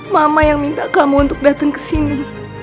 mama yang minta kamu untuk datang ke sini